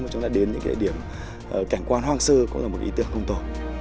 mà chúng ta đến những địa điểm cảnh quan hoang sơ cũng là một ý tưởng công tổ